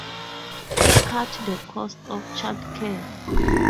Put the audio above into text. cut the cost of child care.